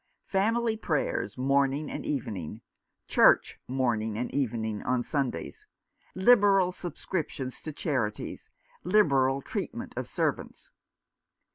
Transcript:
Family prayers morning and even ing ; church morning and evening, on Sundays ; liberal subscriptions to charities ; liberal treatment of servants.